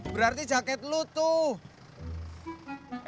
berarti jaket lu tuh